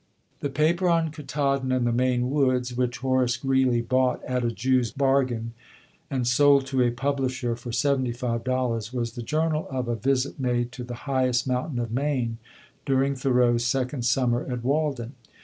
The paper on "Ktaadn and the Maine Woods," which Horace Greeley bought "at a Jew's bargain," and sold to a publisher for seventy five dollars, was the journal of a visit made to the highest mountain of Maine during Thoreau's second summer at Walden.